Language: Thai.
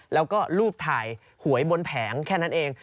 แล้วก็รูปถ่ายหวยบนแผงแค่นั้นเอง